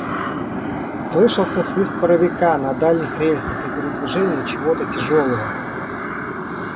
Слышался свист паровика на дальних рельсах и передвижение чего-то тяжелого.